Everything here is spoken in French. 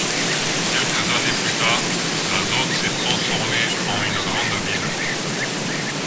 Quelques années plus tard, la zone s'est transformée en une grande ville.